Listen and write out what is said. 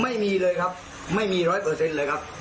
ไม่มีเลยครับไม่มี๑๐๐เลยครับ